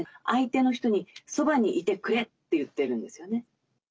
相手の人に「そばにいてくれ」って言ってるんですよね。